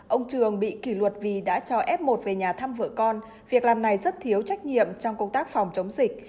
ông trường bị kỷ luật vì đã cho f một về nhà thăm vợ con việc làm này rất thiếu trách nhiệm trong công tác phòng chống dịch